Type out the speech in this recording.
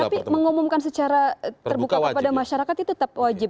tapi mengumumkan secara terbuka kepada masyarakat itu tetap wajib